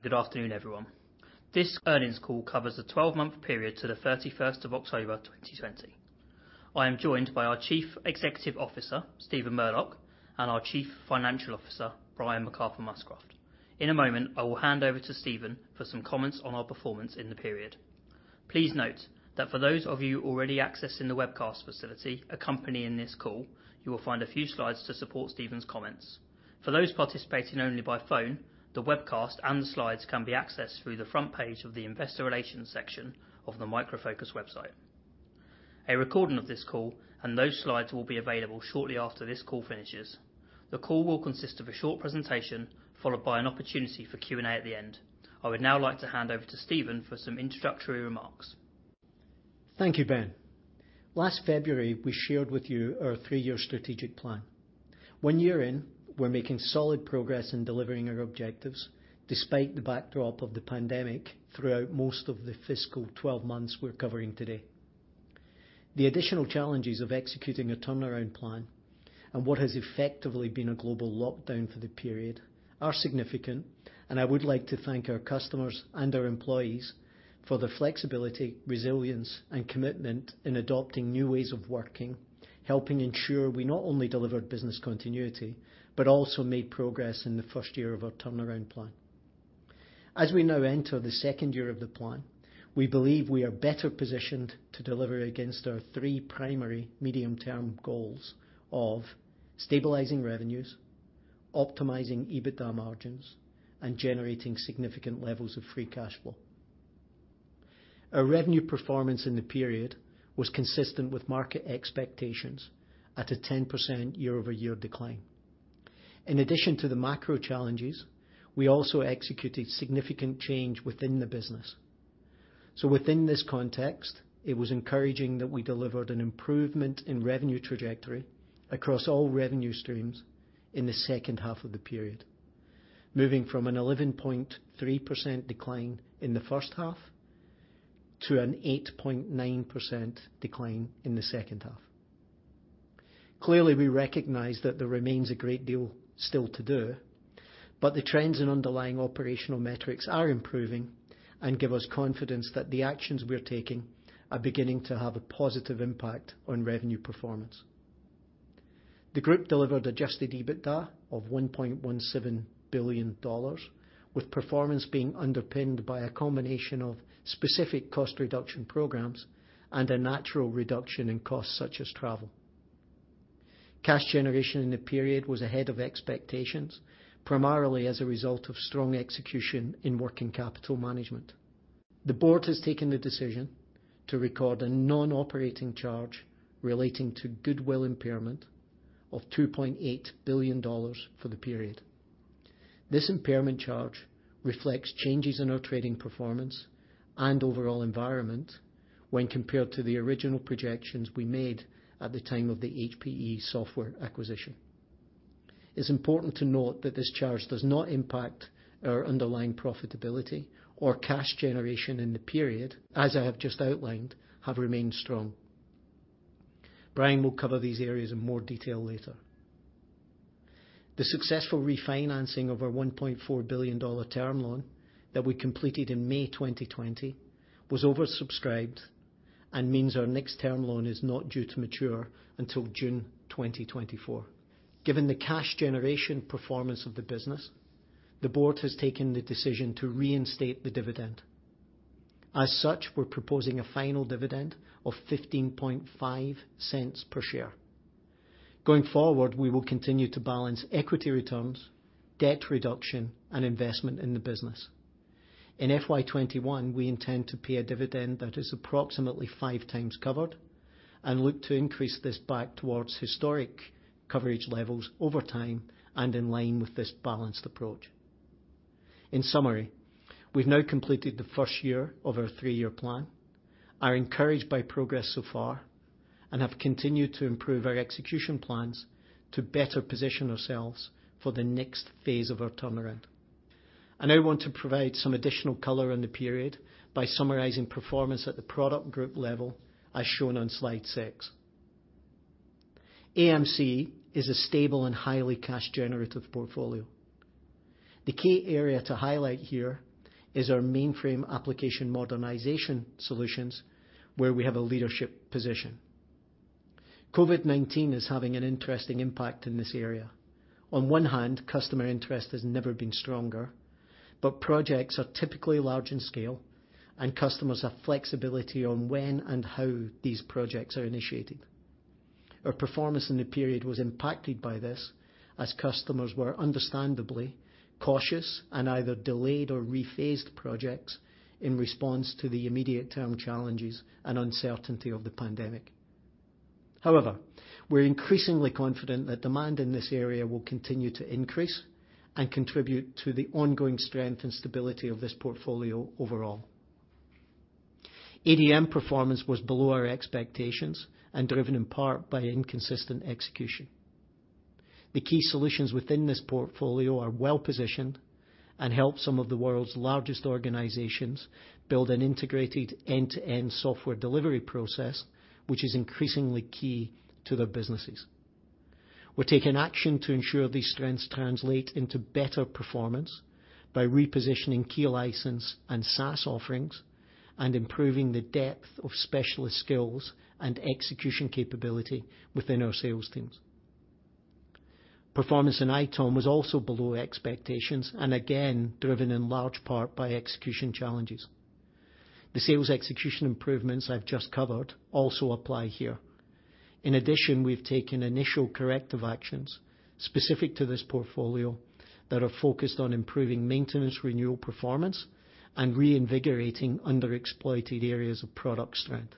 Good afternoon, everyone. This earnings call covers the 12-month period to the 31st of October 2020. I am joined by our Chief Executive Officer, Stephen Murdoch, and our Chief Financial Officer, Brian McArthur-Muscroft. In a moment, I will hand over to Stephen for some comments on our performance in the period. Please note that for those of you already accessing the webcast facility accompanying this call, you will find a few slides to support Stephen's comments. For those participating only by phone, the webcast and the slides can be accessed through the front page of the investor relations section of the Micro Focus website. A recording of this call and those slides will be available shortly after this call finishes. The call will consist of a short presentation, followed by an opportunity for Q&A at the end. I would now like to hand over to Stephen for some introductory remarks. Thank you, Ben. Last February, we shared with you our three-year strategic plan. One year in, we're making solid progress in delivering our objectives, despite the backdrop of the pandemic throughout most of the fiscal 12 months we're covering today. The additional challenges of executing a turnaround plan and what has effectively been a global lockdown for the period are significant, and I would like to thank our customers and our employees for their flexibility, resilience, and commitment in adopting new ways of working, helping ensure we not only delivered business continuity but also made progress in the first year of our turnaround plan. As we now enter the second year of the plan, we believe we are better positioned to deliver against our three primary medium-term goals of stabilizing revenues, optimizing EBITDA margins, and generating significant levels of free cash flow. Our revenue performance in the period was consistent with market expectations at a 10% year-over-year decline. In addition to the macro challenges, we also executed significant change within the business. Within this context, it was encouraging that we delivered an improvement in revenue trajectory across all revenue streams in the second half of the period, moving from an 11.3% decline in the first half to an 8.9% decline in the second half. Clearly, we recognize that there remains a great deal still to do, but the trends in underlying operational metrics are improving and give us confidence that the actions we are taking are beginning to have a positive impact on revenue performance. The group delivered adjusted EBITDA of $1.17 billion, with performance being underpinned by a combination of specific cost reduction programs and a natural reduction in costs such as travel. Cash generation in the period was ahead of expectations, primarily as a result of strong execution in working capital management. The board has taken the decision to record a non-operating charge relating to goodwill impairment of $2.8 billion for the period. This impairment charge reflects changes in our trading performance and overall environment when compared to the original projections we made at the time of the HPE Software acquisition. It's important to note that this charge does not impact our underlying profitability or cash generation in the period, as I have just outlined, have remained strong. Brian will cover these areas in more detail later. The successful refinancing of our $1.4 billion term loan that we completed in May 2020 was oversubscribed and means our next term loan is not due to mature until June 2024. Given the cash generation performance of the business, the board has taken the decision to reinstate the dividend. As such, we are proposing a final dividend of $0.155 per share. Going forward, we will continue to balance equity returns, debt reduction, and investment in the business. In FY 2021, we intend to pay a dividend that is approximately five times covered and look to increase this back towards historic coverage levels over time and in line with this balanced approach. In summary, we have now completed the first year of our three-year plan, are encouraged by progress so far, and have continued to improve our execution plans to better position ourselves for the next phase of our turnaround. I now want to provide some additional color on the period by summarizing performance at the product group level as shown on slide six. AMC is a stable and highly cash generative portfolio. The key area to highlight here is our mainframe application modernization solutions, where we have a leadership position. COVID-19 is having an interesting impact in this area. On one hand, customer interest has never been stronger, but projects are typically large in scale, and customers have flexibility on when and how these projects are initiated. Our performance in the period was impacted by this as customers were understandably cautious and either delayed or rephased projects in response to the immediate term challenges and uncertainty of the pandemic. We're increasingly confident that demand in this area will continue to increase and contribute to the ongoing strength and stability of this portfolio overall. ADM performance was below our expectations and driven in part by inconsistent execution. The key solutions within this portfolio are well-positioned and help some of the world's largest organizations build an integrated end-to-end software delivery process, which is increasingly key to their businesses. We're taking action to ensure these strengths translate into better performance by repositioning key license and SaaS offerings, and improving the depth of specialist skills and execution capability within our sales teams. Performance in ITOM was also below expectations, and again, driven in large part by execution challenges. The sales execution improvements I've just covered also apply here. In addition, we've taken initial corrective actions specific to this portfolio that are focused on improving maintenance renewal performance and reinvigorating under-exploited areas of product strength.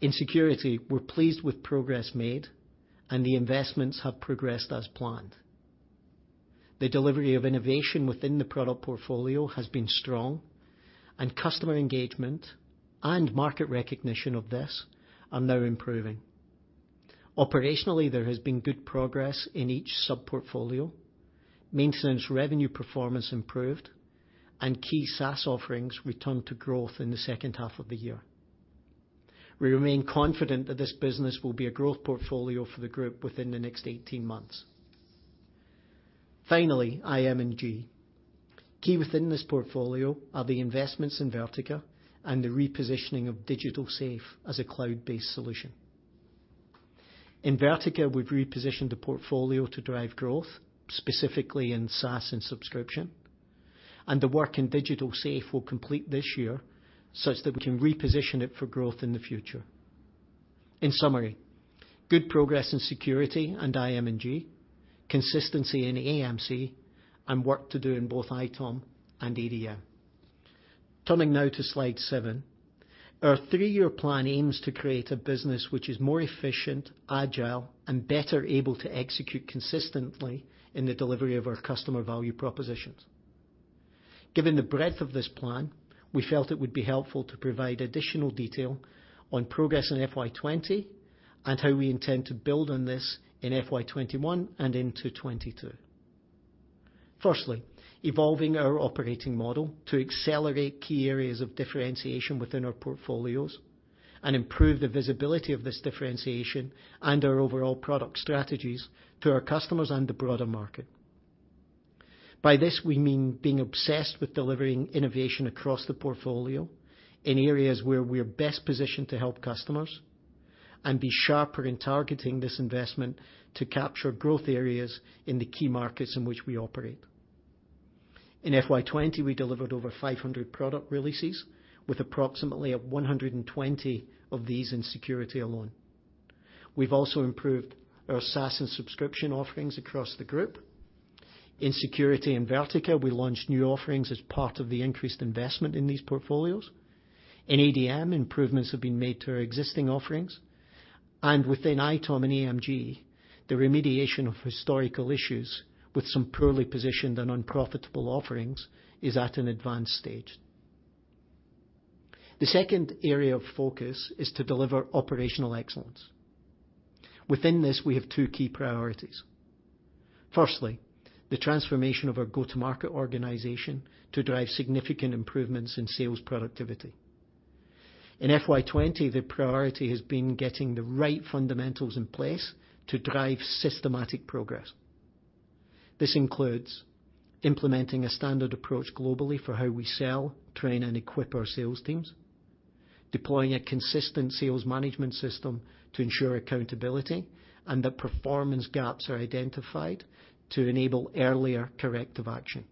In security, we're pleased with progress made, and the investments have progressed as planned. The delivery of innovation within the product portfolio has been strong, and customer engagement and market recognition of this are now improving. Operationally, there has been good progress in each sub-portfolio. Maintenance revenue performance improved, and key SaaS offerings returned to growth in the second half of the year. We remain confident that this business will be a growth portfolio for the group within the next 18 months. Finally, IM&G. Key within this portfolio are the investments in Vertica and the repositioning of Digital Safe as a cloud-based solution. In Vertica, we've repositioned the portfolio to drive growth, specifically in SaaS and subscription, and the work in Digital Safe will complete this year such that we can reposition it for growth in the future. In summary, good progress in security and IM&G, consistency in AMC, and work to do in both ITOM and ADM. Turning now to slide seven. Our three-year plan aims to create a business which is more efficient, agile, and better able to execute consistently in the delivery of our customer value propositions. Given the breadth of this plan, we felt it would be helpful to provide additional detail on progress in FY 2020, and how we intend to build on this in FY 2021 and into 2022. Firstly, evolving our operating model to accelerate key areas of differentiation within our portfolios and improve the visibility of this differentiation and our overall product strategies to our customers and the broader market. By this, we mean being obsessed with delivering innovation across the portfolio in areas where we are best positioned to help customers, and be sharper in targeting this investment to capture growth areas in the key markets in which we operate. In FY 2020, we delivered over 500 product releases with approximately 120 of these in security alone. We've also improved our SaaS and subscription offerings across the group. In security and Vertica, we launched new offerings as part of the increased investment in these portfolios. In ADM, improvements have been made to our existing offerings. Within ITOM and IM&G, the remediation of historical issues with some poorly positioned and unprofitable offerings is at an advanced stage. The second area of focus is to deliver operational excellence. Within this, we have two key priorities. Firstly, the transformation of our go-to-market organization to drive significant improvements in sales productivity. In FY 2020, the priority has been getting the right fundamentals in place to drive systematic progress. This includes implementing a standard approach globally for how we sell, train, and equip our sales teams, deploying a consistent sales management system to ensure accountability and that performance gaps are identified to enable earlier corrective action,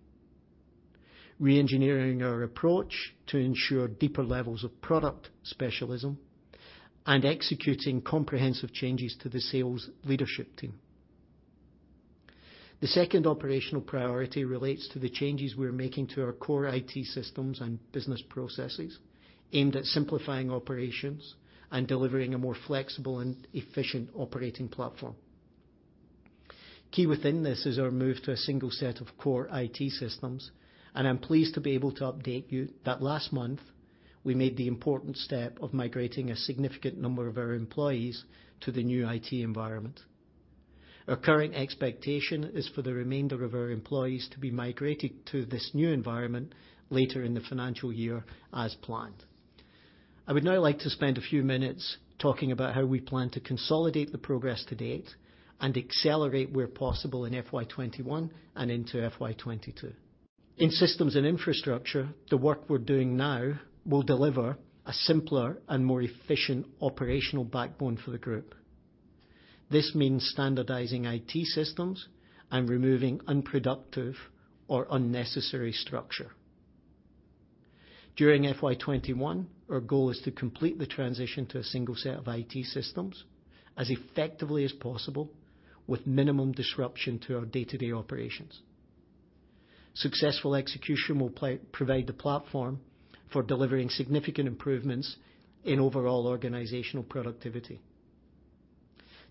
re-engineering our approach to ensure deeper levels of product specialism, and executing comprehensive changes to the sales leadership team. The second operational priority relates to the changes we're making to our core IT systems and business processes aimed at simplifying operations and delivering a more flexible and efficient operating platform. Key within this is our move to a single set of core IT systems, and I'm pleased to be able to update you that last month, we made the important step of migrating a significant number of our employees to the new IT environment. Our current expectation is for the remainder of our employees to be migrated to this new environment later in the financial year as planned. I would now like to spend a few minutes talking about how we plan to consolidate the progress to date and accelerate where possible in FY 2021 and into FY 2022. In systems and infrastructure, the work we're doing now will deliver a simpler and more efficient operational backbone for the group. This means standardizing IT systems and removing unproductive or unnecessary structure. During FY 2021, our goal is to complete the transition to a single set of IT systems as effectively as possible with minimum disruption to our day-to-day operations. Successful execution will provide the platform for delivering significant improvements in overall organizational productivity.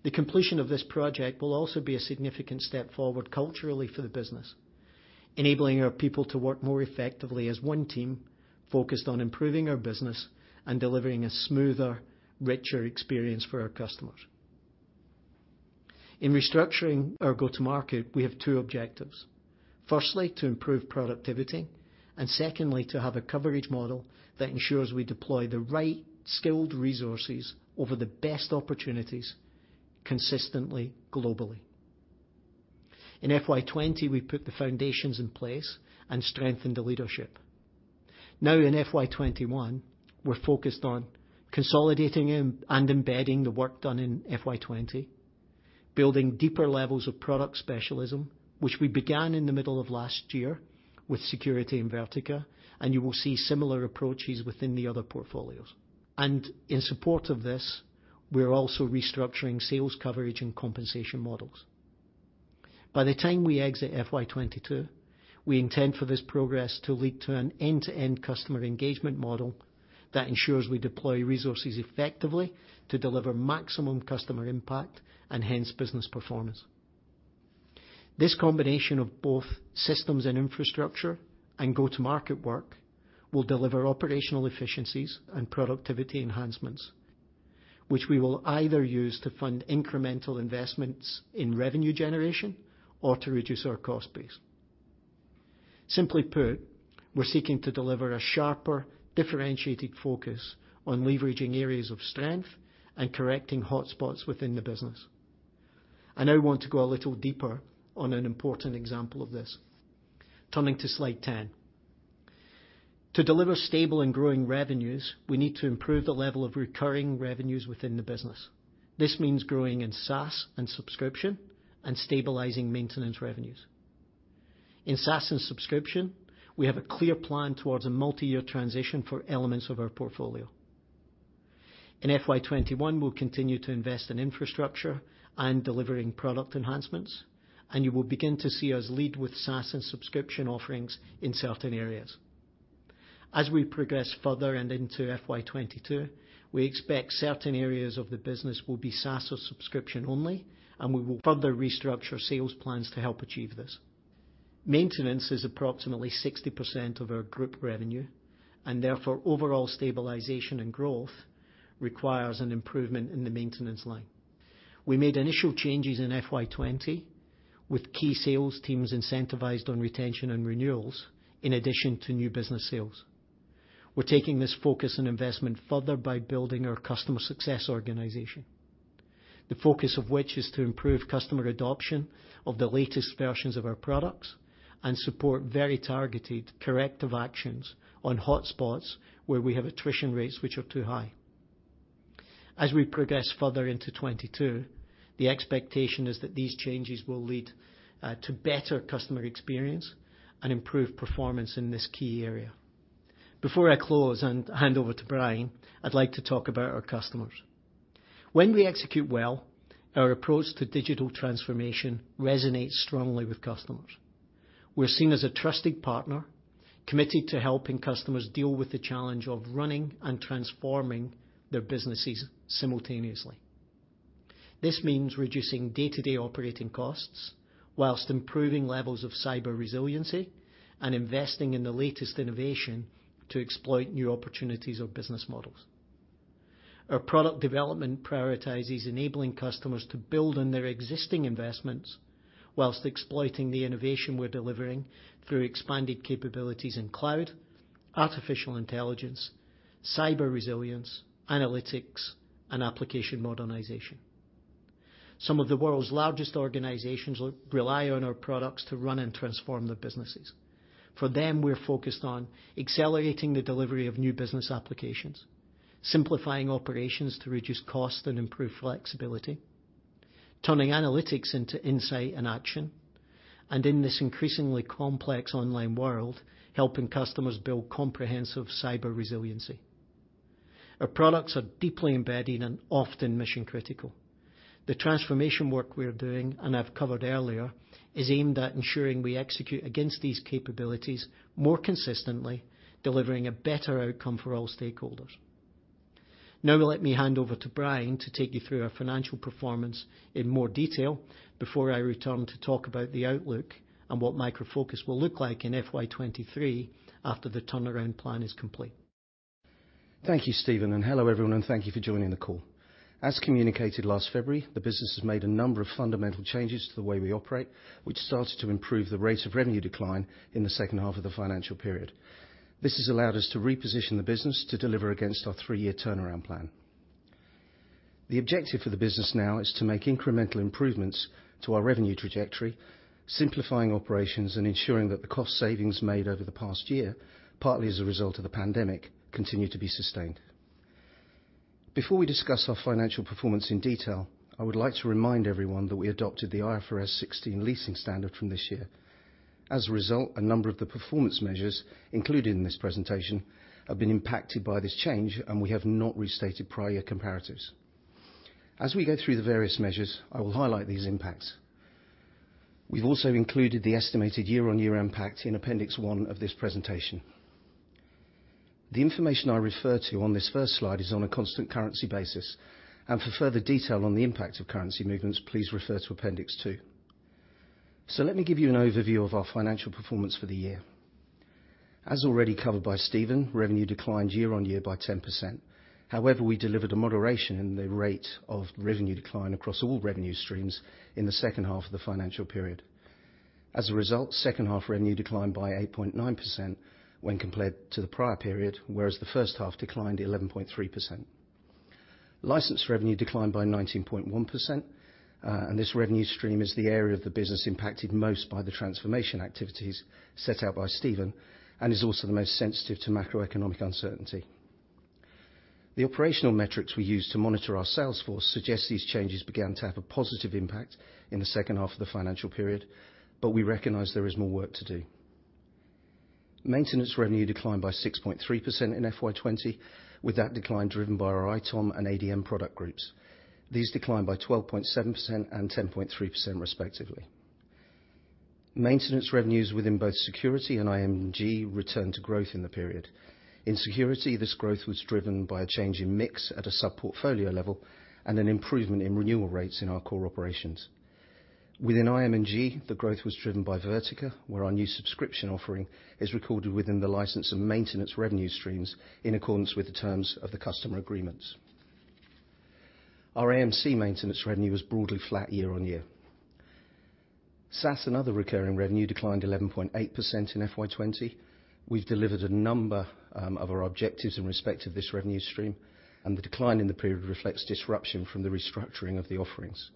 The completion of this project will also be a significant step forward culturally for the business, enabling our people to work more effectively as one team focused on improving our business and delivering a smoother, richer experience for our customers. In restructuring our go-to-market, we have two objectives. Firstly, to improve productivity, Secondly, to have a coverage model that ensures we deploy the right skilled resources over the best opportunities consistently, globally. In FY 2020, we put the foundations in place and strengthened the leadership. In FY 2021, we're focused on consolidating and embedding the work done in FY 2020, building deeper levels of product specialism, which we began in the middle of last year with security in Vertica. You will see similar approaches within the other portfolios. In support of this, we're also restructuring sales coverage and compensation models. By the time we exit FY 2022, we intend for this progress to lead to an end-to-end customer engagement model that ensures we deploy resources effectively to deliver maximum customer impact, and hence, business performance. This combination of both systems and infrastructure and go-to-market work will deliver operational efficiencies and productivity enhancements, which we will either use to fund incremental investments in revenue generation or to reduce our cost base. Simply put, we're seeking to deliver a sharper, differentiated focus on leveraging areas of strength and correcting hotspots within the business. I now want to go a little deeper on an important example of this. Turning to slide 10. To deliver stable and growing revenues, we need to improve the level of recurring revenues within the business. This means growing in SaaS and subscription, and stabilizing maintenance revenues. In SaaS and subscription, we have a clear plan towards a multi-year transition for elements of our portfolio. In FY 2021, we'll continue to invest in infrastructure and delivering product enhancements, and you will begin to see us lead with SaaS and subscription offerings in certain areas. As we progress further and into FY 2022, we expect certain areas of the business will be SaaS or subscription only, and we will further restructure sales plans to help achieve this. Maintenance is approximately 60% of our group revenue, and therefore, overall stabilization and growth requires an improvement in the maintenance line. We made initial changes in FY 2020 with key sales teams incentivized on retention and renewals in addition to new business sales. We're taking this focus and investment further by building our customer success organization, the focus of which is to improve customer adoption of the latest versions of our products and support very targeted corrective actions on hotspots where we have attrition rates which are too high. As we progress further into 2022, the expectation is that these changes will lead to better customer experience and improve performance in this key area. Before I close and hand over to Brian, I'd like to talk about our customers. When we execute well, our approach to digital transformation resonates strongly with customers. We're seen as a trusted partner, committed to helping customers deal with the challenge of running and transforming their businesses simultaneously. This means reducing day-to-day operating costs whilst improving levels of cyber resiliency and investing in the latest innovation to exploit new opportunities or business models. Our product development prioritizes enabling customers to build on their existing investments while exploiting the innovation we're delivering through expanded capabilities in cloud, artificial intelligence, cyber resilience, analytics, and application modernization. Some of the world's largest organizations rely on our products to run and transform their businesses. For them, we're focused on accelerating the delivery of new business applications, simplifying operations to reduce cost and improve flexibility, turning analytics into insight and action, and in this increasingly complex online world, helping customers build comprehensive cyber resiliency. Our products are deeply embedded and often mission-critical. The transformation work we're doing, and I've covered earlier, is aimed at ensuring we execute against these capabilities more consistently, delivering a better outcome for all stakeholders. Now let me hand over to Brian to take you through our financial performance in more detail before I return to talk about the outlook and what Micro Focus will look like in FY 2023 after the turnaround plan is complete. Thank you, Stephen, and hello, everyone, and thank you for joining the call. As communicated last February, the business has made a number of fundamental changes to the way we operate, which started to improve the rate of revenue decline in the second half of the financial period. This has allowed us to reposition the business to deliver against our three-year turnaround plan. The objective for the business now is to make incremental improvements to our revenue trajectory, simplifying operations, and ensuring that the cost savings made over the past year, partly as a result of the pandemic, continue to be sustained. Before we discuss our financial performance in detail, I would like to remind everyone that we adopted the IFRS 16 leasing standard from this year. As a result, a number of the performance measures included in this presentation have been impacted by this change, and we have not restated prior comparatives. As we go through the various measures, I will highlight these impacts. We've also included the estimated year-on-year impact in appendix one of this presentation. The information I refer to on this first slide is on a constant currency basis, and for further detail on the impact of currency movements, please refer to appendix two. Let me give you an overview of our financial performance for the year. As already covered by Stephen, revenue declined year-on-year by 10%. However, we delivered a moderation in the rate of revenue decline across all revenue streams in the second half of the financial period. As a result, second half revenue declined by 8.9% when compared to the prior period, whereas the first half declined 11.3%. License revenue declined by 19.1%, and this revenue stream is the area of the business impacted most by the transformation activities set out by Stephen and is also the most sensitive to macroeconomic uncertainty. The operational metrics we use to monitor our sales force suggest these changes began to have a positive impact in the second half of the financial period, but we recognize there is more work to do. Maintenance revenue declined by 6.3% in FY 2020, with that decline driven by our ITOM and ADM product groups. These declined by 12.7% and 10.3% respectively. Maintenance revenues within both security and IM&G returned to growth in the period. In security, this growth was driven by a change in mix at a sub-portfolio level and an improvement in renewal rates in our core operations. Within IM&G, the growth was driven by Vertica, where our new subscription offering is recorded within the license and maintenance revenue streams in accordance with the terms of the customer agreements. Our AMC maintenance revenue was broadly flat year-on-year. SaaS and other recurring revenue declined 11.8% in FY 2020. We've delivered a number of our objectives in respect of this revenue stream, and the decline in the period reflects disruption from the restructuring of the offerings.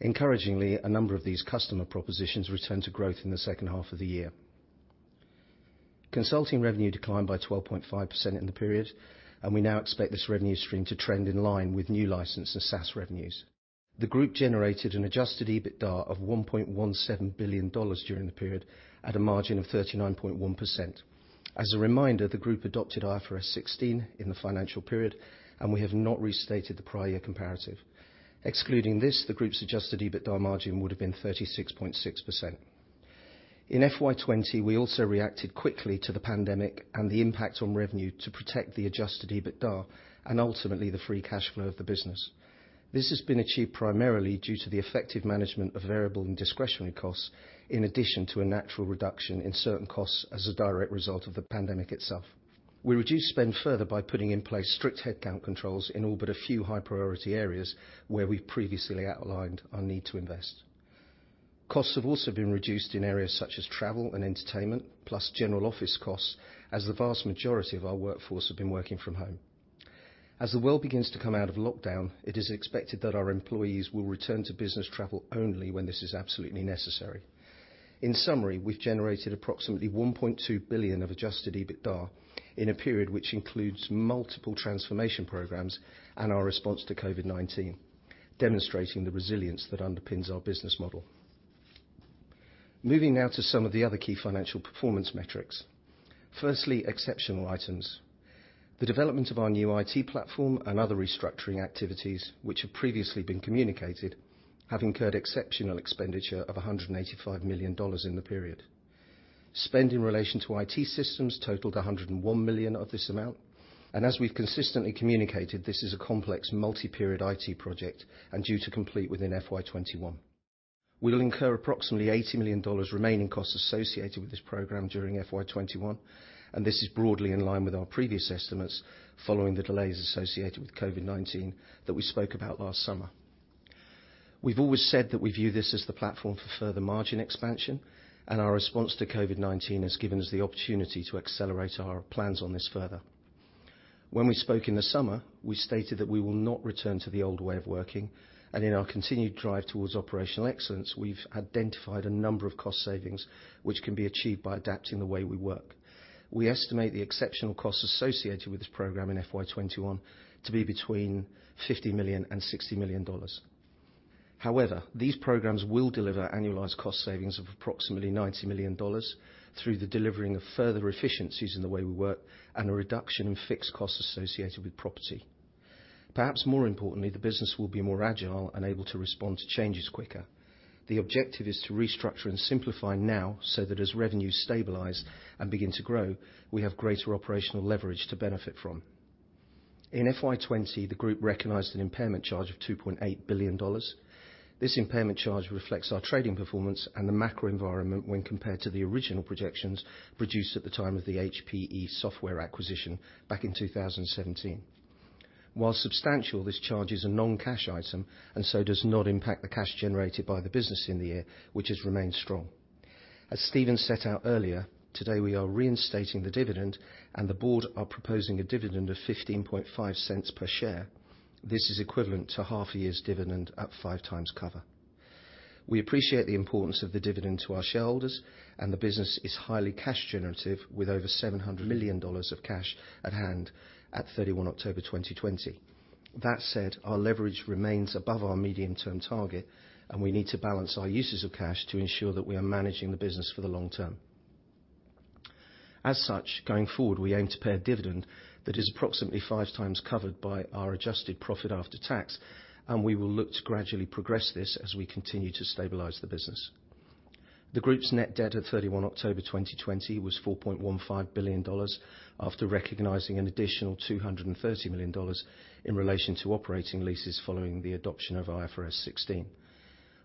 Encouragingly, a number of these customer propositions returned to growth in the second half of the year. Consulting revenue declined by 12.5% in the period, and we now expect this revenue stream to trend in line with new license and SaaS revenues. The group generated an adjusted EBITDA of $1.17 billion during the period at a margin of 39.1%. As a reminder, the group adopted IFRS 16 in the financial period, and we have not restated the prior year comparative. Excluding this, the group's adjusted EBITDA margin would have been 36.6%. In FY 2020, we also reacted quickly to the pandemic and the impact on revenue to protect the adjusted EBITDA and ultimately the free cash flow of the business. This has been achieved primarily due to the effective management of variable and discretionary costs, in addition to a natural reduction in certain costs as a direct result of the pandemic itself. We reduced spend further by putting in place strict headcount controls in all but a few high-priority areas where we previously outlined our need to invest. Costs have also been reduced in areas such as travel and entertainment, plus general office costs, as the vast majority of our workforce have been working from home. As the world begins to come out of lockdown, it is expected that our employees will return to business travel only when this is absolutely necessary. In summary, we've generated approximately $1.2 billion of adjusted EBITDA in a period which includes multiple transformation programs and our response to COVID-19, demonstrating the resilience that underpins our business model. Moving now to some of the other key financial performance metrics. Firstly, exceptional items. The development of our new IT platform and other restructuring activities, which have previously been communicated, have incurred exceptional expenditure of $185 million in the period. Spend in relation to IT systems totaled $101 million of this amount. As we've consistently communicated, this is a complex multi-period IT project and due to complete within FY 2021. We'll incur approximately $80 million remaining costs associated with this program during FY 2021, and this is broadly in line with our previous estimates following the delays associated with COVID-19 that we spoke about last summer. We've always said that we view this as the platform for further margin expansion, and our response to COVID-19 has given us the opportunity to accelerate our plans on this further. When we spoke in the summer, we stated that we will not return to the old way of working, and in our continued drive towards operational excellence, we've identified a number of cost savings which can be achieved by adapting the way we work. We estimate the exceptional costs associated with this program in FY 2021 to be between $50 million and $60 million. However, these programs will deliver annualized cost savings of approximately $90 million through the delivering of further efficiencies in the way we work and a reduction in fixed costs associated with property. Perhaps more importantly, the business will be more agile and able to respond to changes quicker. The objective is to restructure and simplify now so that as revenues stabilize and begin to grow, we have greater operational leverage to benefit from. In FY 2020, the group recognized an impairment charge of $2.8 billion. This impairment charge reflects our trading performance and the macro environment when compared to the original projections produced at the time of the HPE Software acquisition back in 2017. While substantial, this charge is a non-cash item and so does not impact the cash generated by the business in the year, which has remained strong. As Stephen set out earlier, today we are reinstating the dividend, and the board are proposing a dividend of $0.155 per share. This is equivalent to half a year's dividend at five times cover. We appreciate the importance of the dividend to our shareholders, and the business is highly cash generative with over $700 million of cash at hand at 31 October 2020. That said, our leverage remains above our medium-term target, and we need to balance our uses of cash to ensure that we are managing the business for the long term. As such, going forward, we aim to pay a dividend that is approximately 5 times covered by our adjusted profit after tax, and we will look to gradually progress this as we continue to stabilize the business. The group's net debt at 31 October 2020 was $4.15 billion after recognizing an additional $230 million in relation to operating leases following the adoption of IFRS 16.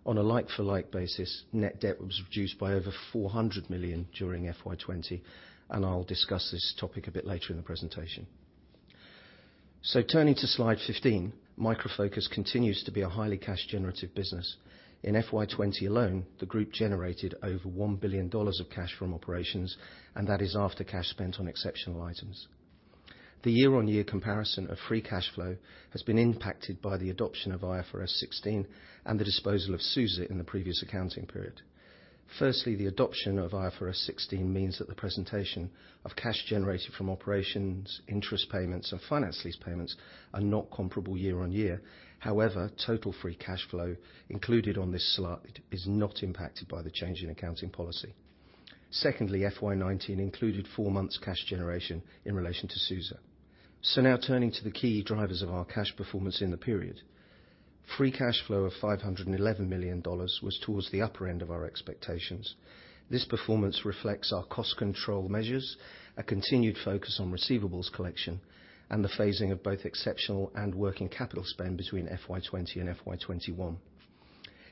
On a like-for-like basis, net debt was reduced by over $400 million during FY 2020. I'll discuss this topic a bit later in the presentation. Turning to slide 15, Micro Focus continues to be a highly cash generative business. In FY 2020 alone, the group generated over $1 billion of cash from operations. That is after cash spent on exceptional items. The year-on-year comparison of free cash flow has been impacted by the adoption of IFRS 16 and the disposal of SUSE in the previous accounting period. Firstly, the adoption of IFRS 16 means that the presentation of cash generated from operations, interest payments, and finance lease payments are not comparable year-on-year. However, total free cash flow included on this slide is not impacted by the change in accounting policy. Secondly, FY 2019 included four months cash generation in relation to SUSE. Now turning to the key drivers of our cash performance in the period. Free cash flow of $511 million was towards the upper end of our expectations. This performance reflects our cost control measures, a continued focus on receivables collection, and the phasing of both exceptional and working capital spend between FY 2020 and FY 2021.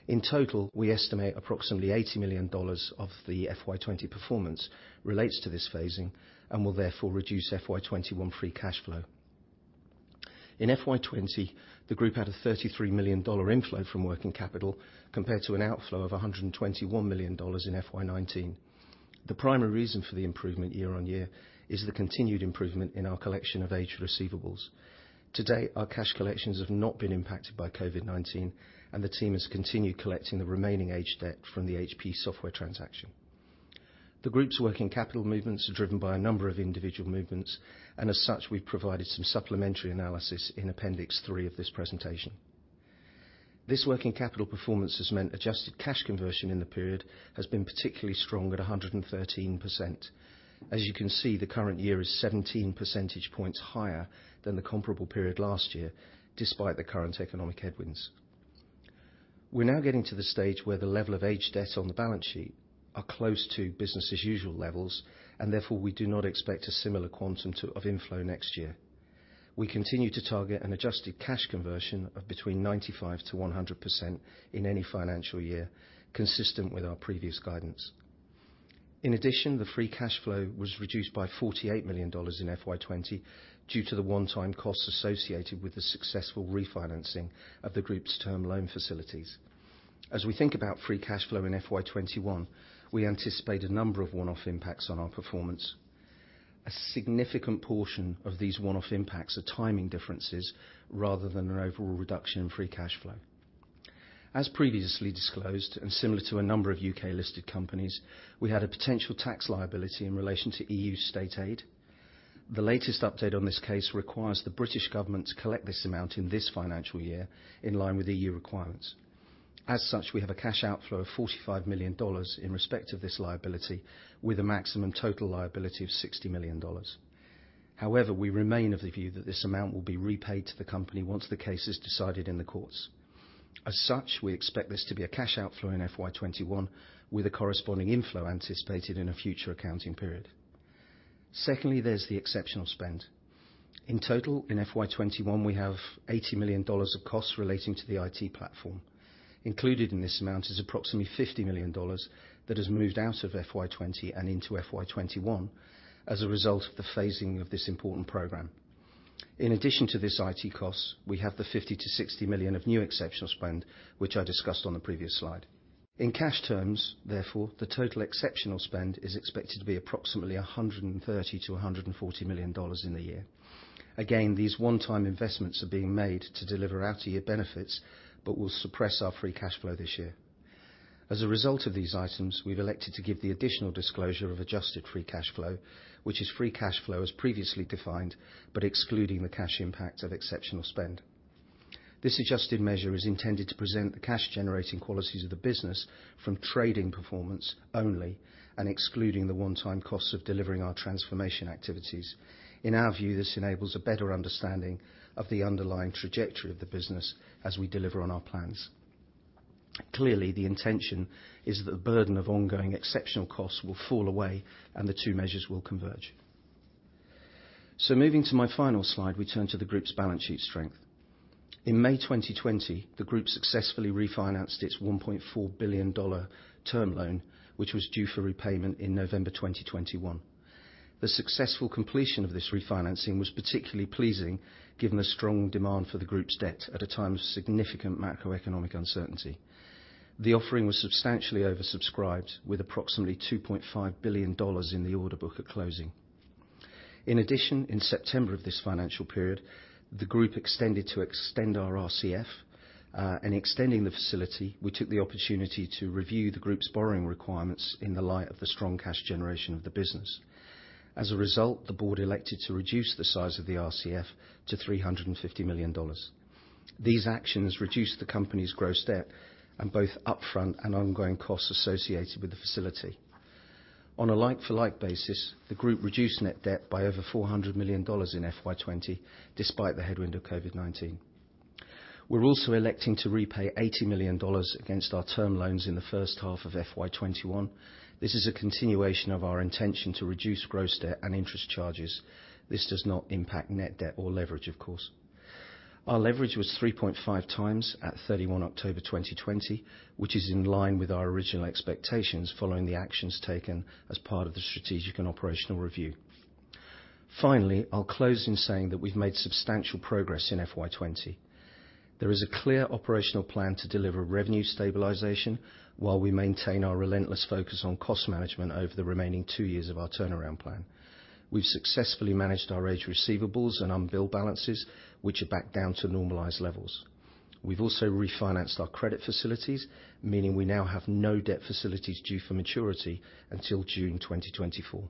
In total, we estimate approximately $80 million of the FY 2020 performance relates to this phasing and will therefore reduce FY 2021 free cash flow. In FY 2020, the group had a $33 million inflow from working capital compared to an outflow of $121 million in FY 2019. The primary reason for the improvement year-on-year is the continued improvement in our collection of aged receivables. To date, our cash collections have not been impacted by COVID-19, and the team has continued collecting the remaining aged debt from the HPE Software transaction. The group's working capital movements are driven by a number of individual movements, and as such, we've provided some supplementary analysis in appendix three of this presentation. This working capital performance has meant adjusted cash conversion in the period has been particularly strong at 113%. As you can see, the current year is 17 percentage points higher than the comparable period last year, despite the current economic headwinds. We're now getting to the stage where the level of aged debt on the balance sheet are close to business as usual levels, and therefore we do not expect a similar quantum of inflow next year. We continue to target an adjusted cash conversion of between 95% to 100% in any financial year, consistent with our previous guidance. In addition, the free cash flow was reduced by $48 million in FY 2020 due to the one-time costs associated with the successful refinancing of the group's term loan facilities. As we think about free cash flow in FY 2021, we anticipate a number of one-off impacts on our performance. A significant portion of these one-off impacts are timing differences rather than an overall reduction in free cash flow. As previously disclosed, similar to a number of U.K. listed companies, we had a potential tax liability in relation to EU State Aid. The latest update on this case requires the British government to collect this amount in this financial year in line with EU requirements. As such, we have a cash outflow of $45 million in respect of this liability with a maximum total liability of $60 million. However, we remain of the view that this amount will be repaid to the company once the case is decided in the courts. As such, we expect this to be a cash outflow in FY 2021 with a corresponding inflow anticipated in a future accounting period. Secondly, there is the exceptional spend. In total in FY 2021, we have $80 million of costs relating to the IT platform. Included in this amount is approximately $50 million that has moved out of FY 2020 and into FY 2021 as a result of the phasing of this important program. In addition to this IT cost, we have the $50 million to $60 million of new exceptional spend, which I discussed on the previous slide. In cash terms, therefore, the total exceptional spend is expected to be approximately $130 million to $140 million in the year. Again, these one-time investments are being made to deliver outer year benefits but will suppress our free cash flow this year. As a result of these items, we've elected to give the additional disclosure of adjusted free cash flow, which is free cash flow as previously defined, but excluding the cash impact of exceptional spend. This adjusted measure is intended to present the cash generating qualities of the business from trading performance only and excluding the one-time costs of delivering our transformation activities. In our view, this enables a better understanding of the underlying trajectory of the business as we deliver on our plans. Clearly, the intention is that the burden of ongoing exceptional costs will fall away and the two measures will converge. Moving to my final slide, we turn to the group's balance sheet strength. In May 2020, the group successfully refinanced its $1.4 billion term loan, which was due for repayment in November 2021. The successful completion of this refinancing was particularly pleasing given the strong demand for the group's debt at a time of significant macroeconomic uncertainty. The offering was substantially oversubscribed with approximately $2.5 billion in the order book at closing. In addition, in September of this financial period, the group extended our RCF. In extending the facility, we took the opportunity to review the group's borrowing requirements in the light of the strong cash generation of the business. As a result, the board elected to reduce the size of the RCF to $350 million. These actions reduced the company's gross debt and both upfront and ongoing costs associated with the facility. On a like-for-like basis, the group reduced net debt by over $400 million in FY 2020 despite the headwind of COVID-19. We're also electing to repay $80 million against our term loans in the first half of FY 2021. This is a continuation of our intention to reduce gross debt and interest charges. This does not impact net debt or leverage, of course. Our leverage was 3.5x at 31 October 2020, which is in line with our original expectations following the actions taken as part of the strategic and operational review. Finally, I'll close in saying that we've made substantial progress in FY 2020. There is a clear operational plan to deliver revenue stabilization while we maintain our relentless focus on cost management over the remaining two years of our turnaround plan. We've successfully managed our aged receivables and unbilled balances, which are back down to normalized levels. We've also refinanced our credit facilities, meaning we now have no debt facilities due for maturity until June 2024.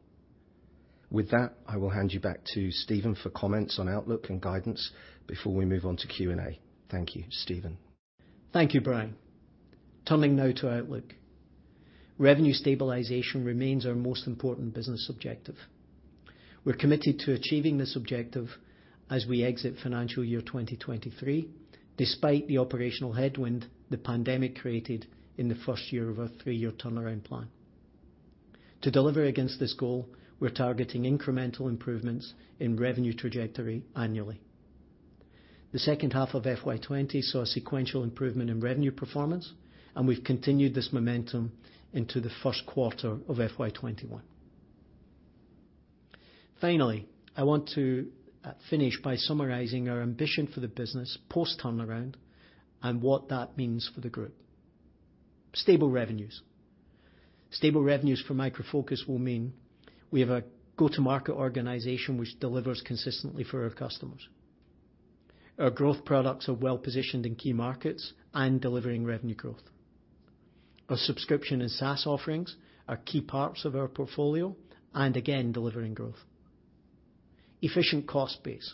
With that, I will hand you back to Stephen for comments on outlook and guidance before we move on to Q&A. Thank you. Stephen? Thank you, Brian. Turning now to outlook. Revenue stabilization remains our most important business objective. We're committed to achieving this objective as we exit FY 2023, despite the operational headwind the pandemic created in the first year of our three-year turnaround plan. To deliver against this goal, we're targeting incremental improvements in revenue trajectory annually. The second half of FY 2020 saw a sequential improvement in revenue performance, and we've continued this momentum into the first quarter of FY 2021. Finally, I want to finish by summarizing our ambition for the business post-turnaround and what that means for the group. Stable revenues. Stable revenues for Micro Focus will mean we have a go-to-market organization which delivers consistently for our customers. Our growth products are well positioned in key markets and delivering revenue growth. Our subscription and SaaS offerings are key parts of our portfolio and again, delivering growth. Efficient cost base.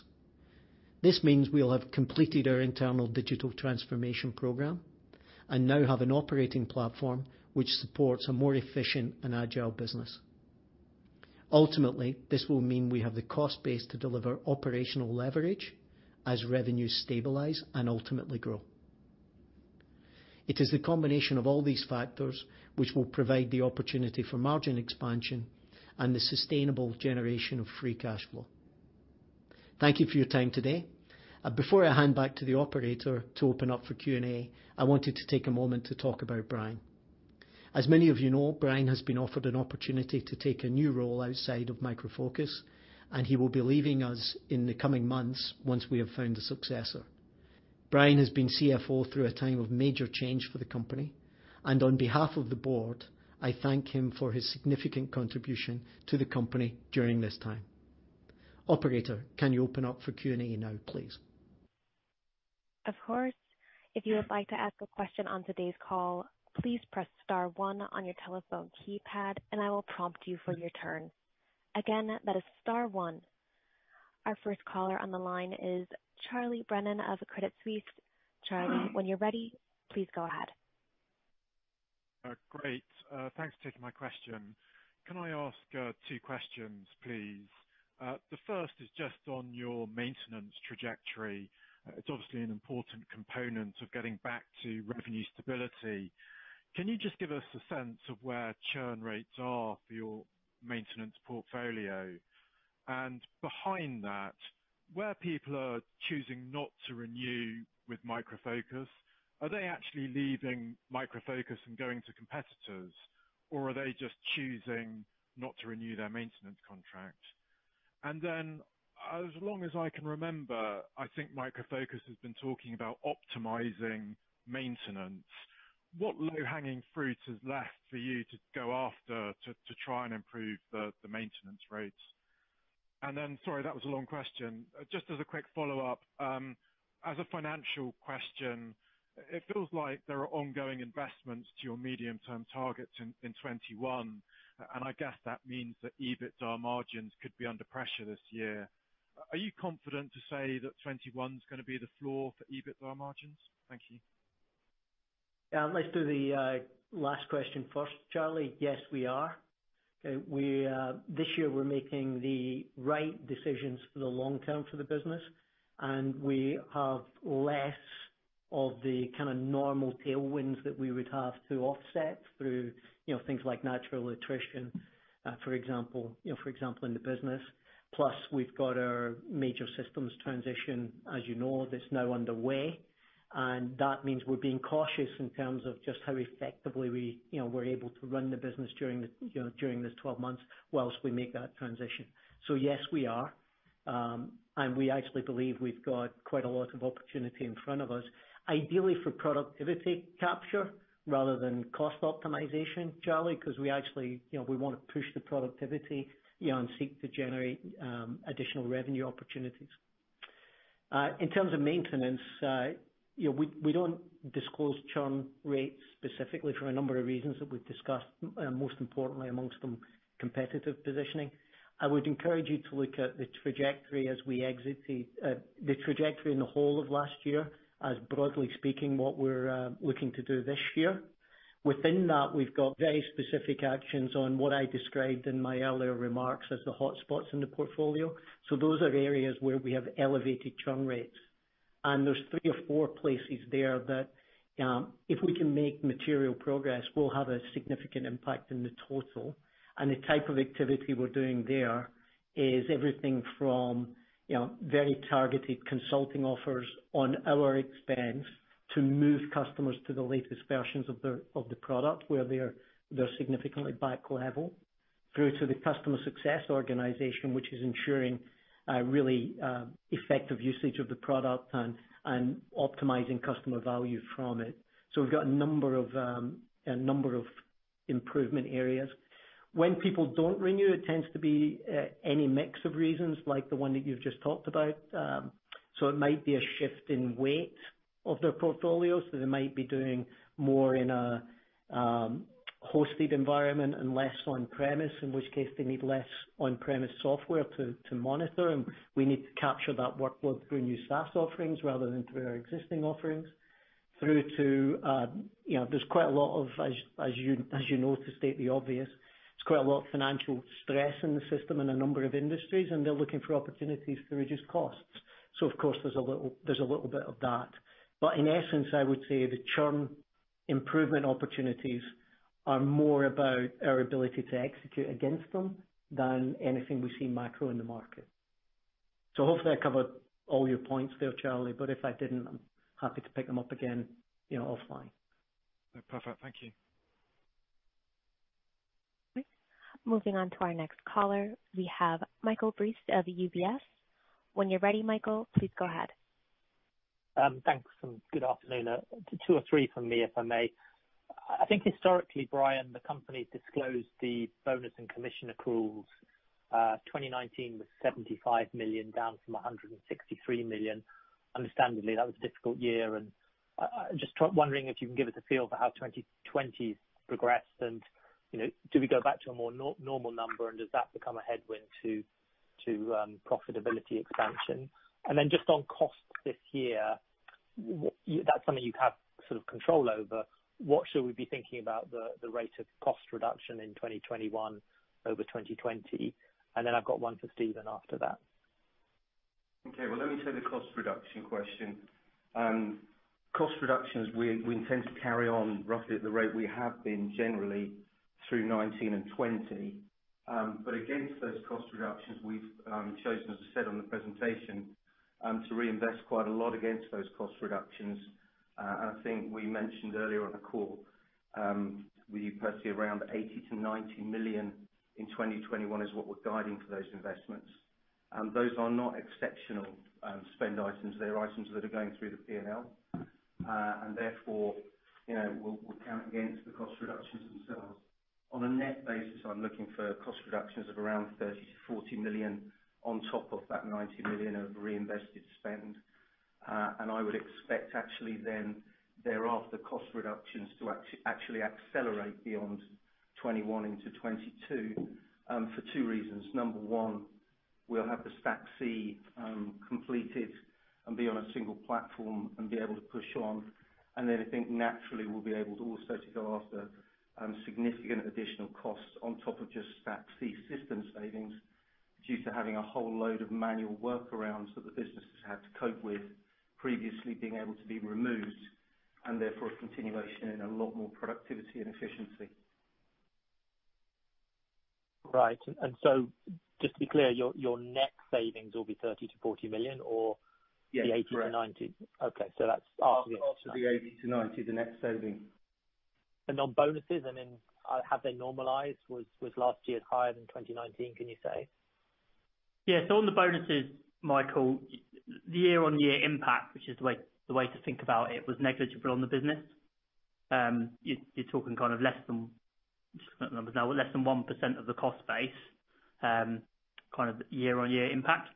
This means we'll have completed our internal digital transformation program and now have an operating platform which supports a more efficient and agile business. Ultimately, this will mean we have the cost base to deliver operational leverage as revenues stabilize and ultimately grow. It is the combination of all these factors which will provide the opportunity for margin expansion and the sustainable generation of free cash flow. Thank you for your time today. Before I hand back to the operator to open up for Q&A, I wanted to take a moment to talk about Brian. As many of you know, Brian has been offered an opportunity to take a new role outside of Micro Focus, and he will be leaving us in the coming months once we have found a successor. Brian has been CFO through a time of major change for the company, and on behalf of the board, I thank him for his significant contribution to the company during this time. Operator, can you open up for Q&A now, please? Of course. If you would like to ask a question on today's call, please press star one on your telephone keypad and I will prompt you for your turn. Again, that is star one. Our first caller on the line is Charlie Brennan of Credit Suisse. Charlie, when you're ready, please go ahead. Great. Thanks for taking my question. Can I ask two questions, please? The first is just on your maintenance trajectory. It's obviously an important component of getting back to revenue stability. Can you just give us a sense of where churn rates are for your maintenance portfolio? Behind that, where people are choosing not to renew with Micro Focus, are they actually leaving Micro Focus and going to competitors, or are they just choosing not to renew their maintenance contract? As long as I can remember, I think Micro Focus has been talking about optimizing maintenance. What low-hanging fruit is left for you to go after to try and improve the maintenance rates? Sorry, that was a long question. Just as a quick follow-up, as a financial question, it feels like there are ongoing investments to your medium-term targets in 2021. I guess that means that EBITDA margins could be under pressure this year. Are you confident to say that 2021 is going to be the floor for EBITDA margins? Thank you. Let's do the last question first, Charlie. Yes, we are. This year, we're making the right decisions for the long term for the business, we have less of the kind of normal tailwinds that we would have to offset through things like natural attrition, for example, in the business. We've got our major systems transition, as you know, that's now underway. That means we're being cautious in terms of just how effectively we're able to run the business during these 12 months whilst we make that transition. Yes, we are, and we actually believe we've got quite a lot of opportunity in front of us, ideally for productivity capture rather than cost optimization, Charlie, because we actually want to push the productivity and seek to generate additional revenue opportunities. In terms of maintenance, we don't disclose churn rates specifically for a number of reasons that we've discussed, most importantly amongst them, competitive positioning. I would encourage you to look at the trajectory in the whole of last year as broadly speaking, what we're looking to do this year. Within that, we've got very specific actions on what I described in my earlier remarks as the hotspots in the portfolio. Those are areas where we have elevated churn rates. There's three or four places there that if we can make material progress, we'll have a significant impact in the total. The type of activity we're doing there is everything from very targeted consulting offers on our expense. To move customers to the latest versions of the product where they're significantly back level, through to the customer success organization, which is ensuring really effective usage of the product and optimizing customer value from it. We've got a number of improvement areas. When people don't renew, it tends to be any mix of reasons, like the one that you've just talked about. It might be a shift in weight of their portfolio. They might be doing more in a hosted environment and less on-premise, in which case they need less on-premise software to monitor, and we need to capture that workload through new SaaS offerings rather than through our existing offerings. There's quite a lot of, as you know, to state the obvious, there's quite a lot of financial stress in the system in a number of industries, and they're looking for opportunities to reduce costs. Of course, there's a little bit of that. In essence, I would say the churn improvement opportunities are more about our ability to execute against them than anything we see macro in the market. Hopefully I covered all your points there, Charlie, but if I didn't, I'm happy to pick them up again offline. Perfect. Thank you. Moving on to our next caller, we have Michael Briest of UBS. When you're ready, Michael, please go ahead. Thanks. Good afternoon. Two or three from me, if I may. I think historically, Brian, the company disclosed the bonus and commission accruals, 2019 was $75 million, down from $163 million. Understandably, that was a difficult year. I'm just wondering if you can give us a feel for how 2020 progressed and do we go back to a more normal number and does that become a headwind to profitability expansion? Then just on costs this year, that's something you have sort of control over. What should we be thinking about the rate of cost reduction in 2021 over 2020? Then I've got one for Stephen after that. Okay. Well, let me take the cost reduction question. Cost reductions we intend to carry on roughly at the rate we have been generally through 2019 and 2020. Against those cost reductions, we've chosen, as I said on the presentation, to reinvest quite a lot against those cost reductions. I think we mentioned earlier on the call, we, personally, around $80 million to $90 million in 2021 is what we're guiding for those investments. Those are not exceptional spend items. They're items that are going through the P&L. Therefore, we'll count against the cost reductions themselves. On a net basis, I'm looking for cost reductions of around $30 million to $40 million on top of that $90 million of reinvested spend. I would expect actually then thereafter cost reductions to actually accelerate beyond 2021 into 2022, for two reasons. Number one, we'll have the Stack C completed and be on a single platform and be able to push on. Then I think naturally we'll be able to also to go after significant additional costs on top of just Stack C system savings due to having a whole load of manual workarounds that the business has had to cope with previously being able to be removed, and therefore a continuation in a lot more productivity and efficiency. Right. Just to be clear, your net savings will be $30 million to $40 million. Yes, correct. The $80 million to $90 million. Okay, so that's after. After the $80 million to $90 million, the net saving. On bonuses, have they normalized? Was last year higher than 2019, can you say? Yes. On the bonuses, Michael, year-on-year impact, which is the way to think about it, was negligible on the business. You're talking kind of less than 1% of the cost base, kind of year-on-year impact.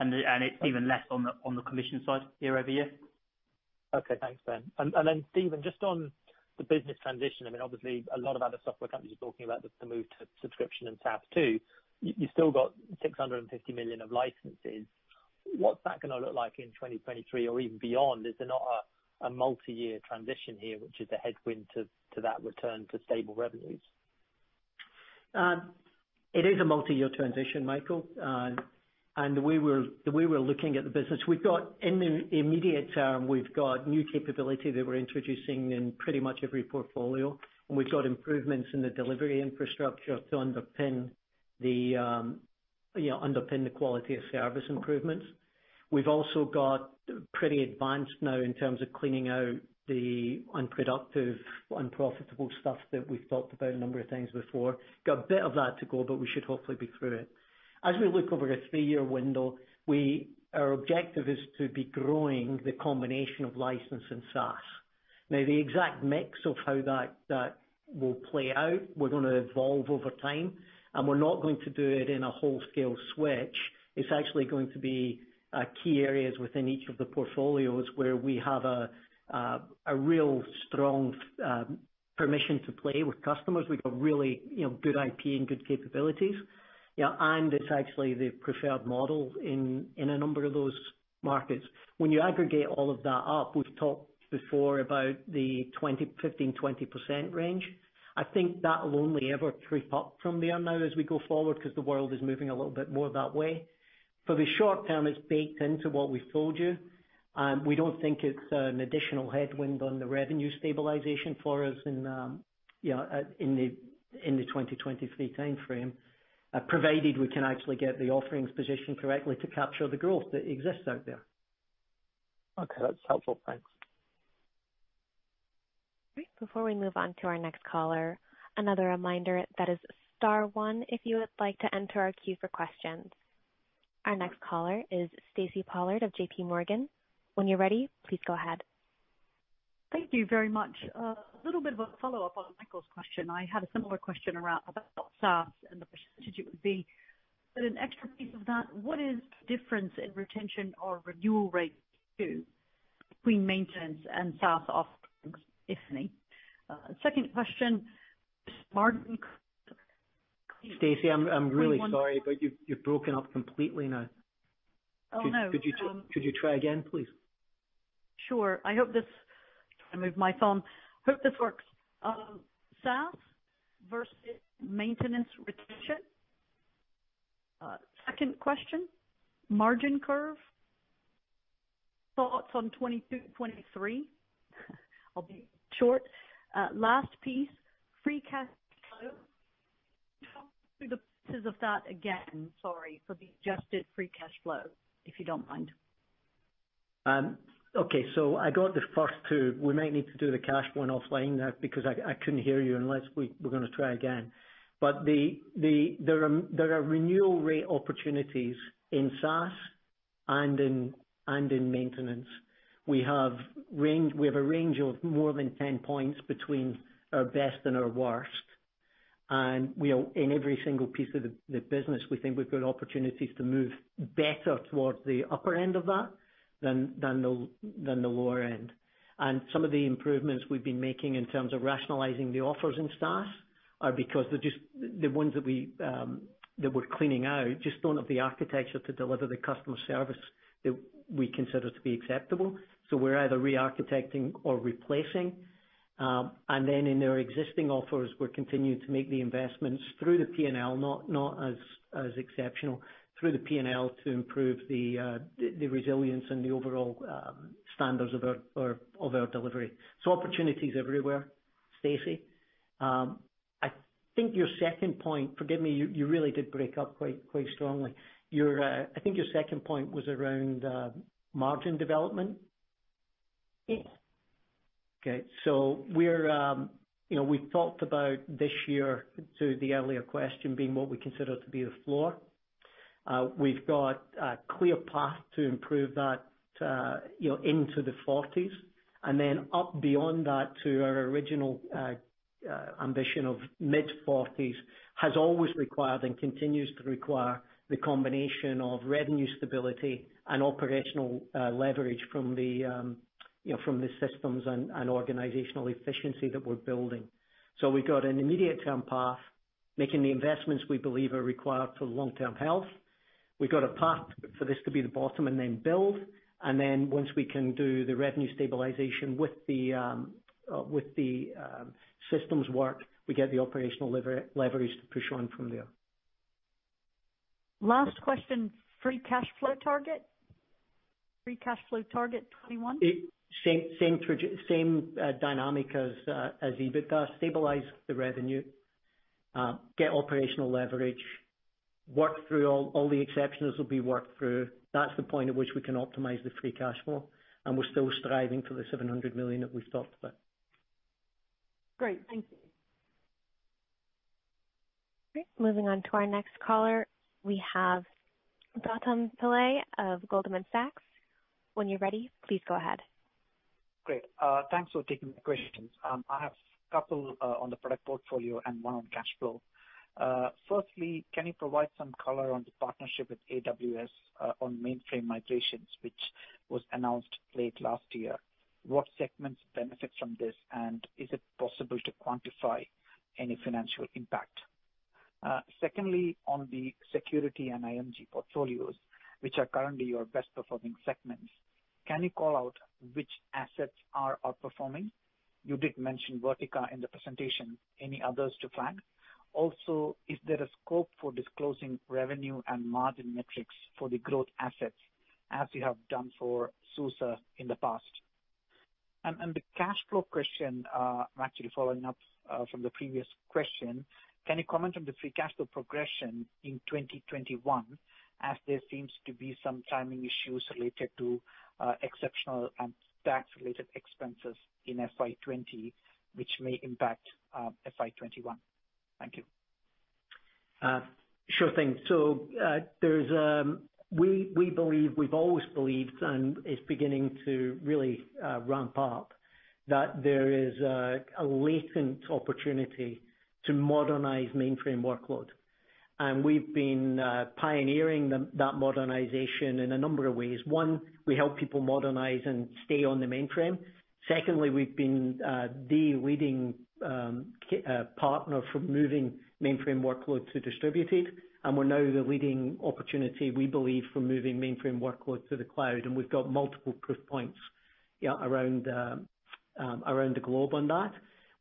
It's even less on the commission side year-over-year. Okay, thanks Ben. Stephen, just on the business transition, obviously a lot of other software companies are talking about the move to subscription and SaaS too. You still got $650 million of licenses. What's that going to look like in 2023 or even beyond? Is there not a multi-year transition here, which is a headwind to that return to stable revenues? It is a multi-year transition, Michael. The way we're looking at the business, in the immediate term, we've got new capability that we're introducing in pretty much every portfolio, and we've got improvements in the delivery infrastructure to underpin the quality of service improvements. We've also got pretty advanced now in terms of cleaning out the unproductive, unprofitable stuff that we've talked about a number of times before. Got a bit of that to go, but we should hopefully be through it. As we look over a three-year window, our objective is to be growing the combination of license and SaaS. The exact mix of how that will play out, we're going to evolve over time, and we're not going to do it in a whole scale switch. It's actually going to be key areas within each of the portfolios where we have a real strong permission to play with customers. We've got really good IP and good capabilities. It's actually the preferred model in a number of those markets. When you aggregate all of that up, we've talked before about the 15% to 20% range. I think that will only ever creep up from there now as we go forward because the world is moving a little bit more that way. For the short term, it's baked into what we've told you. We don't think it's an additional headwind on the revenue stabilization for us in the 2023 timeframe, provided we can actually get the offerings positioned correctly to capture the growth that exists out there. Okay, that's helpful. Thanks. Before we move on to our next caller, another reminder that is star one if you would like to enter our queue for questions. Our next caller is Stacy Pollard of JPMorgan. When you're ready, please go ahead. Thank you very much. A little bit of a follow-up on Michael's question. I had a similar question about SaaS and the percentage it would be, but an extra piece of that, what is the difference in retention or renewal rates between maintenance and SaaS offerings, if any? Second question. Stacy, I'm really sorry, but you've broken up completely now. Oh, no. Could you try again, please? Sure. I hope I moved my phone. Hope this works. SaaS versus maintenance retention. Second question, margin curve, thoughts on 2023? I'll be short. Last piece, free cash flow. Talk through the pieces of that again, sorry, for the adjusted free cash flow, if you don't mind. Okay. I got the first two. We might need to do the cash one offline now because I couldn't hear you, unless we're going to try again. There are renewal rate opportunities in SaaS and in maintenance. We have a range of more than 10 points between our best and our worst, and in every single piece of the business, we think we've got opportunities to move better towards the upper end of that than the lower end. Some of the improvements we've been making in terms of rationalizing the offers in SaaS are because the ones that we're cleaning out just don't have the architecture to deliver the customer service that we consider to be acceptable. We're either re-architecting or replacing. In our existing offers, we're continuing to make the investments through the P&L, not as exceptional, through the P&L to improve the resilience and the overall standards of our delivery. Opportunities everywhere, Stacy. I think your second point, forgive me, you really did break up quite strongly. I think your second point was around margin development? Yes. Okay. We've talked about this year to the earlier question being what we consider to be the floor. We've got a clear path to improve that into the 40s, and then up beyond that to our original ambition of mid-40s has always required and continues to require the combination of revenue stability and operational leverage from the systems and organizational efficiency that we're building. We've got an immediate term path, making the investments we believe are required for the long-term health. We've got a path for this to be the bottom and then build. Once we can do the revenue stabilization with the systems work, we get the operational leverage to push on from there. Last question, free cash flow target? Free cash flow target 2021. Same dynamic as EBITDA. Stabilize the revenue, get operational leverage, all the exceptionals will be worked through. That's the point at which we can optimize the free cash flow, and we're still striving for the $700 million that we've talked about. Great. Thank you. Moving on to our next caller, we have Gautam Pillai of Goldman Sachs. When you're ready, please go ahead. Great. Thanks for taking the questions. I have a couple on the product portfolio and one on cash flow. Firstly, can you provide some color on the partnership with AWS on mainframe migrations, which was announced late last year? What segments benefit from this, and is it possible to quantify any financial impact? Secondly, on the security and IM&G portfolios, which are currently your best performing segments, can you call out which assets are outperforming? You did mention Vertica in the presentation. Any others to flag? Is there a scope for disclosing revenue and margin metrics for the growth assets as you have done for SUSE in the past? The cash flow question, actually following up from the previous question, can you comment on the free cash flow progression in 2021, as there seems to be some timing issues related to exceptional and tax-related expenses in FY 2020, which may impact FY 2021? Thank you. Sure thing. We've always believed, and it's beginning to really ramp up, that there is a latent opportunity to modernize mainframe workload. We've been pioneering that modernization in a number of ways. One, we help people modernize and stay on the mainframe. Secondly, we've been the leading partner for moving mainframe workload to distributed, and we're now the leading opportunity, we believe, for moving mainframe workload to the cloud, and we've got multiple proof points around the globe on that.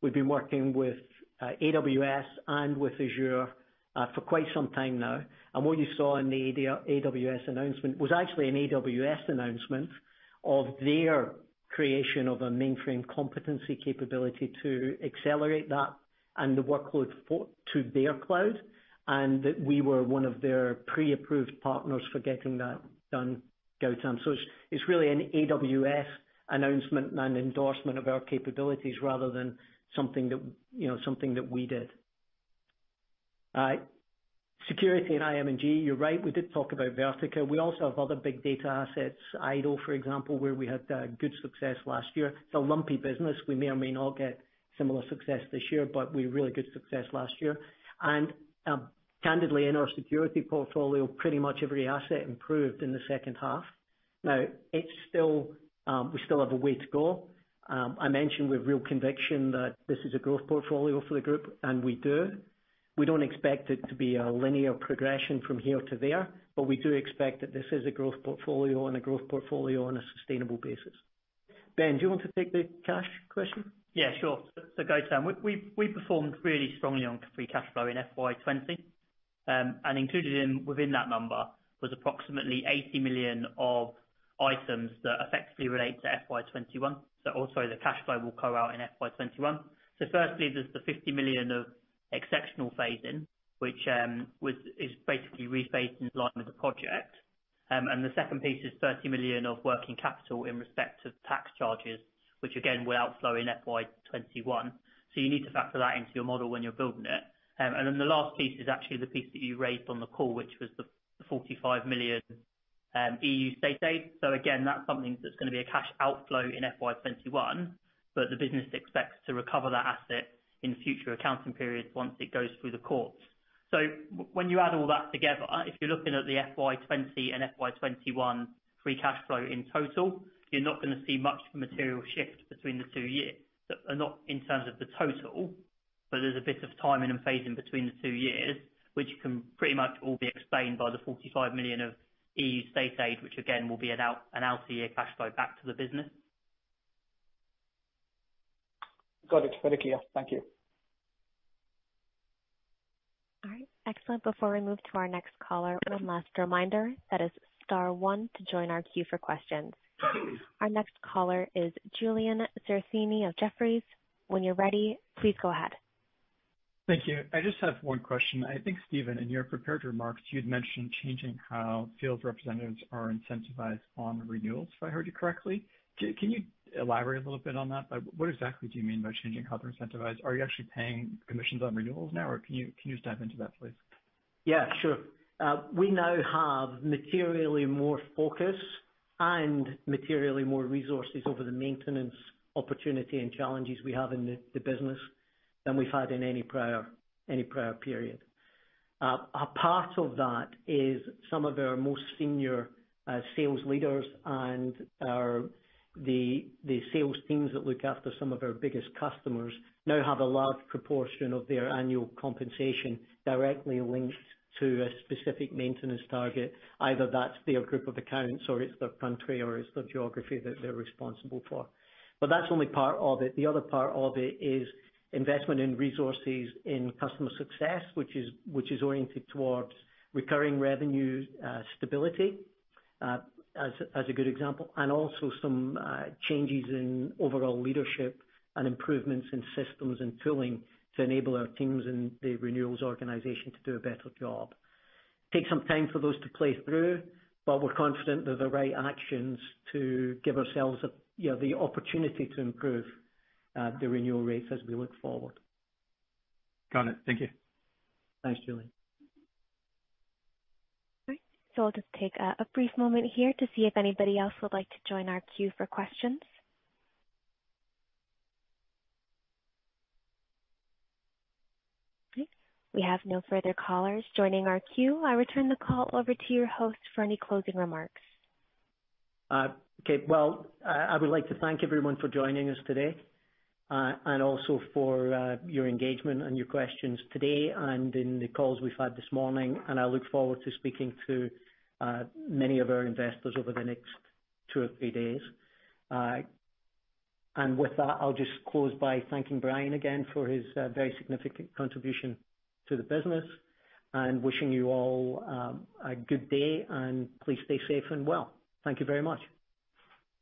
We've been working with AWS and with Azure for quite some time now. What you saw in the AWS announcement was actually an AWS announcement of their creation of a mainframe competency capability to accelerate that and the workload to their cloud, and that we were one of their pre-approved partners for getting that done, Gautam. It's really an AWS announcement and endorsement of our capabilities rather than something that we did. All right. Security and IM&G, you're right, we did talk about Vertica. We also have other big data assets, IDOL, for example, where we had good success last year. It's a lumpy business. We may or may not get similar success this year, but we had really good success last year. Candidly, in our security portfolio, pretty much every asset improved in the second half. Now, we still have a way to go. I mentioned with real conviction that this is a growth portfolio for the group, and we do. We don't expect it to be a linear progression from here to there, but we do expect that this is a growth portfolio and a growth portfolio on a sustainable basis. Ben, do you want to take the cash question? Gautam. We performed really strongly on free cash flow in FY 2020. Included within that number was approximately $80 million of items that effectively relate to FY 2021. Also the cash flow will outflow in FY 2021. Firstly, there's the $50 million of exceptional phasing, which is basically rephased in line with the project. The second piece is $30 million of working capital in respect of tax charges, which again will outflow in FY 2021. You need to factor that into your model when you're building it. The last piece is actually the piece that you raised on the call, which was the $45 million EU State Aid. Again, that's something that's going to be a cash outflow in FY 2021, but the business expects to recover that asset in future accounting periods once it goes through the courts. When you add all that together, if you're looking at the FY 2020 and FY 2021 free cash flow in total, you're not going to see much of a material shift between the two years, not in terms of the total, but there's a bit of timing and phasing between the two years, which can pretty much all be explained by the $45 million of EU State Aid, which again will be an out-year cash flow back to the business. Got it. Very clear. Thank you. All right. Excellent. Before we move to our next caller, one last reminder, that is star one to join our queue for questions. Our next caller is Julian Serafini of Jefferies. When you're ready, please go ahead. Thank you. I just have one question. I think, Stephen, in your prepared remarks, you'd mentioned changing how field representatives are incentivized on renewals, if I heard you correctly. Can you elaborate a little bit on that? What exactly do you mean by changing how they're incentivized? Are you actually paying commissions on renewals now, or can you just dive into that, please? Yeah, sure. We now have materially more focus and materially more resources over the maintenance opportunity and challenges we have in the business than we've had in any prior period. A part of that is some of our most senior sales leaders and the sales teams that look after some of our biggest customers now have a large proportion of their annual compensation directly linked to a specific maintenance target, either that's their group of accounts or it's their country or it's their geography that they're responsible for. That's only part of it. The other part of it is investment in resources in customer success, which is oriented towards recurring revenue stability, as a good example, and also some changes in overall leadership and improvements in systems and tooling to enable our teams in the renewals organization to do a better job. Take some time for those to play through. We're confident they're the right actions to give ourselves the opportunity to improve the renewal rates as we look forward. Got it. Thank you. Thanks, Julian. All right. I'll just take a brief moment here to see if anybody else would like to join our queue for questions. We have no further callers joining our queue. I return the call over to your host for any closing remarks. Okay. Well, I would like to thank everyone for joining us today, and also for your engagement and your questions today and in the calls we've had this morning, and I look forward to speaking to many of our investors over the next two or three days. With that, I'll just close by thanking Brian again for his very significant contribution to the business and wishing you all a good day, and please stay safe and well. Thank you very much.